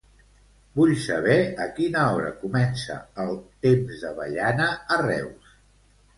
Vull saber a quina hora comença el "Temps d'avellana" a Reus.